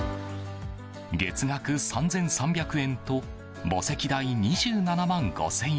月額３３００円と墓石代２７万５０００円。